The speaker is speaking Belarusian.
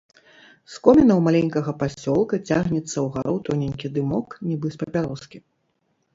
З комінаў маленькага пасёлка цягнецца ўгару тоненькі дымок, нібы з папяроскі.